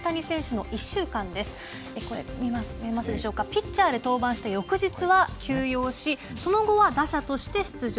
ピッチャーで登板して翌日は休養しその後は打者として出場。